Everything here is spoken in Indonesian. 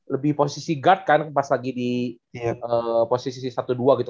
lebih posisi guard kan pas lagi di posisi satu dua gitu